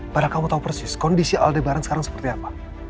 padahal kamu tau persis kondisi aldebaran sekarang seperti apa